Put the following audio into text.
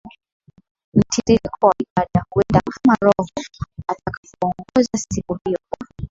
mtiririko wa ibada huenda kama Roho atakavyoongoza siku hiyo Kwa